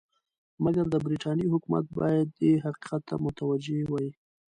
مګر د برټانیې حکومت باید دې حقیقت ته متوجه وي.